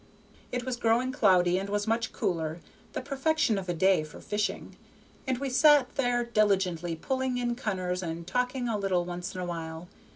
It was growing cloudy, and was much cooler, the perfection of a day for fishing, and we sat there diligently pulling in cunners, and talking a little once in a while.